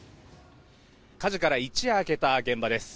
火事から一夜明けた現場です。